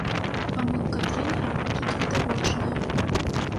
Памылка трэнераў тут відавочная.